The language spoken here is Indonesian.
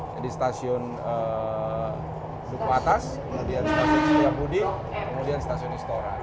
jadi stasiun duku atas kemudian stasiun setia budi kemudian stasiun restoran